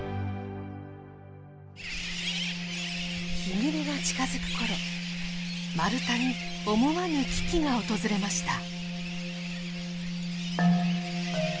日暮れが近づく頃マルタに思わぬ危機が訪れました。